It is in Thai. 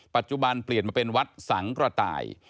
ปัจจุบันเปลี่ยนมาเป็นวัดสังกระต่าย